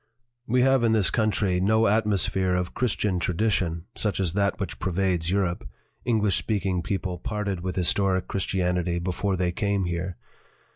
"We have in this country no atmosphere of Christian tradition such as that which pervades Europe English speaking people parted with his toric Christianity before they came here.